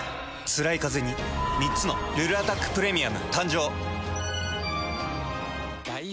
つらいカゼに３つの「ルルアタックプレミアム」誕生。